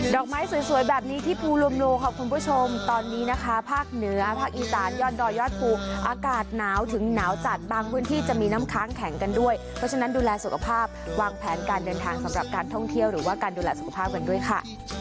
อกไม้สวยแบบนี้ที่ภูลมโลค่ะคุณผู้ชมตอนนี้นะคะภาคเหนือภาคอีสานยอดดอยยอดภูอากาศหนาวถึงหนาวจัดบางพื้นที่จะมีน้ำค้างแข็งกันด้วยเพราะฉะนั้นดูแลสุขภาพวางแผนการเดินทางสำหรับการท่องเที่ยวหรือว่าการดูแลสุขภาพกันด้วยค่ะ